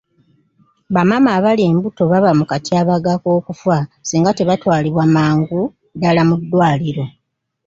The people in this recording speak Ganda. Bamaama abali embuto baba mu katyabaga k'okufa singa tebatwalibwa mangu ddaala mu ddwaliro.